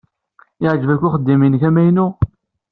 Yeɛjeb-ak uxeddim-nnek amaynu?